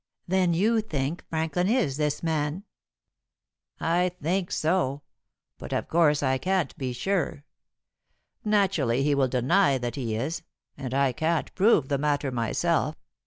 "Then you think Franklin is this man?" "I think so, but of course I can't be sure. Naturally he will deny that he is, and I can't prove the matter myself.